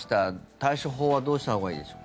対処法はどうしたほうがいいですか？